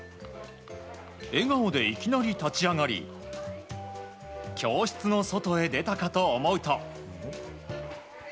笑顔でいきなり立ち上がり教室の外へ出たかと思うと。